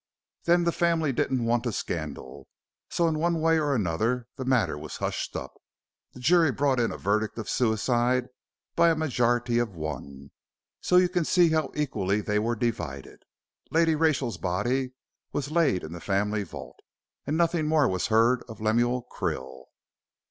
Then the family didn't want a scandal, so in one way and another the matter was hushed up. The jury brought in a verdict of suicide by a majority of one, so you can see how equally they were divided. Lady Rachel's body was laid in the family vault, and nothing more was heard of Lemuel Krill."